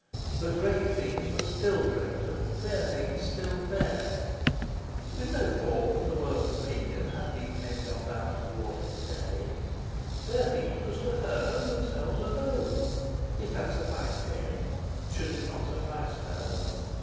But great things were still great, and fair things still fair. With no thought for the world's opinion had these men gone down to the water to day. Their deed was for her and themselves alone. It had sufficed them. Should it not suffice her?